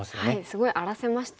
すごい荒らせましたしね。